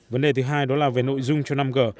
vấn đề thứ hai đó là về nội dung cho năm g